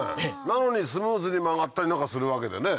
なのにスムーズに曲がったりなんかするわけだよね？